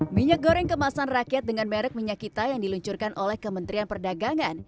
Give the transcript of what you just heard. minyak goreng kemasan rakyat dengan merek minyak kita yang diluncurkan oleh kementerian perdagangan